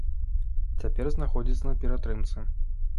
Цяпер знаходзіцца на ператрымцы.